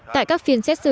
tại các phiên xét xử